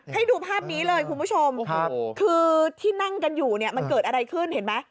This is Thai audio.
ให้ดูภาพนี้เลยคุณผู้ชมคือที่นั่งกันอยู่เนี่ยมันเกิดอะไรขึ้นเห็นไหม